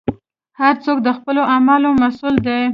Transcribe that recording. هر څوک د خپلو اعمالو مسوول دی.